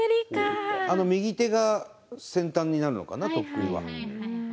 あの右手が先端になるのかなとっくりは。